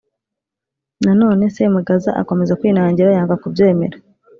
Na none Semugaza akomeza kwinangira yanga kubyemera